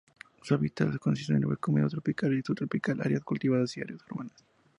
Su hábitat consiste de bosque húmedo tropical y subtropical, áreas cultivadas y áreas urbanas.